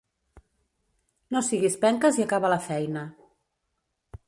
No siguis penques i acaba la feina.